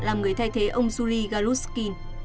làm người thay thế ông zuligarushkin